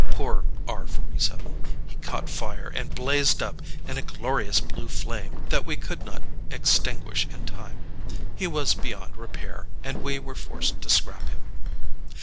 Poor R 47. He caught fire and blazed up in a glorious blue flame that we could not extinguish in time. He was beyond repair, and we were forced to scrap him.